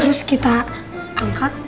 terus kita angkat